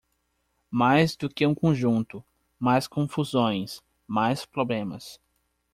Mais do que um conjunto, mais confusões, mais problemas.